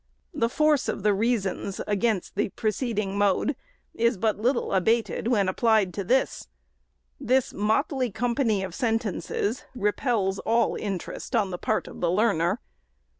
The force of the rea sons against the preceding mode is but little abated when .552 THE SECRETARY'S applied to this. This motley company of sentences repels all interest on the part of the learner.